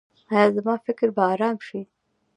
ایا زما فکر به ارام شي؟